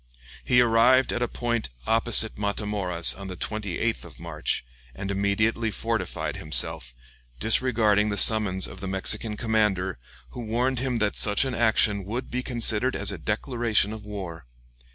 He arrived at a point opposite Matamoras on the 28th of March, and immediately fortified himself, disregarding the summons of the Mexican commander, who warned him that such action would be considered as a declaration of war.